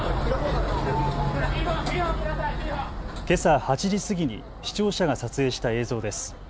けさ８時過ぎに視聴者が撮影した映像です。